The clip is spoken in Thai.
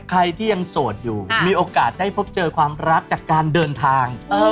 ใครที่ยังโสดอยู่มีโอกาสได้พบเจอความรักจากการเดินทาง